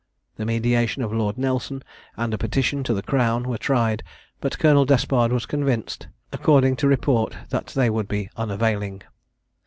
The mediation of Lord Nelson, and a petition to the crown, were tried; but Colonel Despard was convinced, according to report, that they would be unavailing.